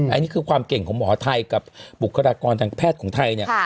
อันนี้คือความเก่งของหมอไทยกับบุคลากรทางแพทย์ของไทยเนี่ย